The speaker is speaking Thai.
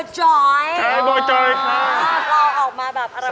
ใช่ค่ะ